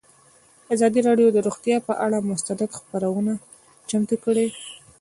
ازادي راډیو د روغتیا پر اړه مستند خپرونه چمتو کړې.